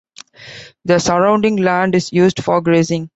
The surrounding land is used for grazing.